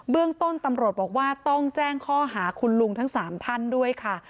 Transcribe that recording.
เรื่องต้นตำรวจบอกว่าต้องแจ้งข้อหาคุณลุงทั้ง๓ท่านด้วยค่ะ